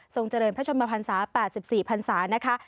เจริญพระชนมพันศา๘๔พันศานะคะ